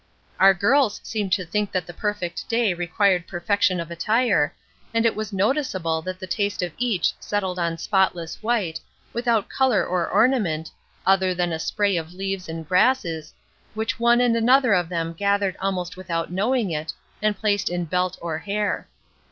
Our girls seemed to think that the perfect day required perfection of attire, and it was noticeable that the taste of each settled on spotless white, without color or ornament, other than a spray of leaves and grasses, which one and another of them gathered almost without knowing it, and placed in belt or hair.